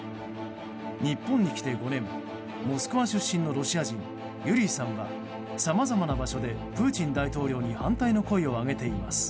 日本に来て５年モスクワ出身のロシア人ユリーさんはさまざまな場所でプーチン大統領に反対の声を上げています。